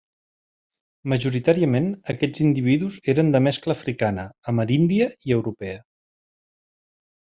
Majoritàriament aquests individus eren de mescla africana, ameríndia i europea.